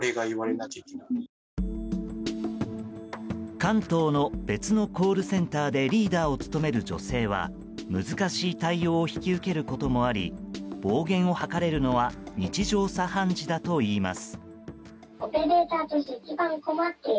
関東の別のコールセンターでリーダーを務める女性は難しい対応を引き受けることもあり暴言を吐かれるのは日常茶飯事だといいます。